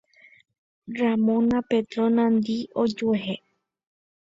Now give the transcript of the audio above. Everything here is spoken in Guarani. Romaña Petrona-ndi ojuehe.